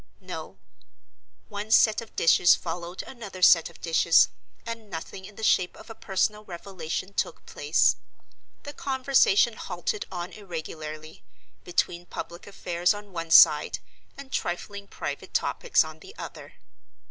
No. One set of dishes followed another set of dishes, and nothing in the shape of a personal revelation took place. The conversation halted on irregularly, between public affairs on one side and trifling private topics on the other.